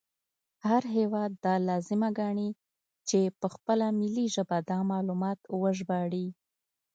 هر هیواد دا لازمه ګڼي چې په خپله ملي ژبه دا معلومات وژباړي